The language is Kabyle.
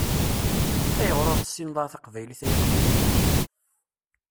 Ayɣeṛ ur tessineḍ ara taqbaylit ay aqbayli?